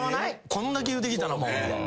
「こんだけ言うてきたら」みたいな。